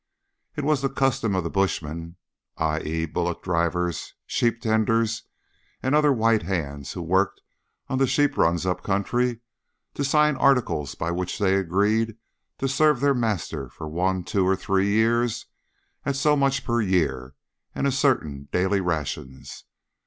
It was the custom of the "bushmen," i.e., bullock drivers, sheep tenders, and the other white hands who worked on the sheep runs up country, to sign articles by which they agreed to serve their master for one, two, or three years at so much per year and certain daily rations.